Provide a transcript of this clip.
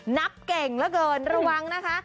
นับเก่งเหลือเกินระวังนะคะ